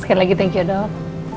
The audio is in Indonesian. sekali lagi thank you dok